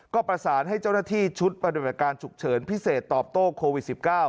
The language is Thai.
ก็ประสานให้เจ้าหน้าที่ชุดปฏิบัติการฉุกเฉินพิเศษตอบโต้โควิด๑๙